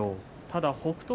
ただ、北勝